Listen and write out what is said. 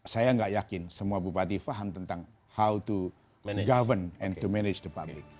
saya nggak yakin semua bupati faham tentang how to govern and to manage the public